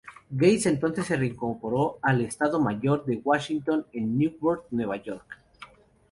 Gates entonces se reincorporó al Estado Mayor de Washington en Newburgh, Nueva York.